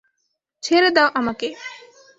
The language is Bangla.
ছেঁড়ে দাও আমাকে।